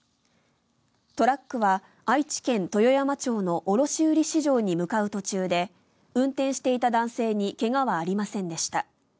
トラックは愛知県豊山町の卸売市場に向かう途中で運転していた男性に怪我はありませんでした。